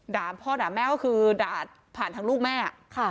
พ่อด่าแม่ก็คือด่าผ่านทางลูกแม่